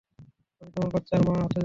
আমি তোমার বাচ্চার মা হতে চলেছি!